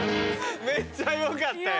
めっちゃよかったよ。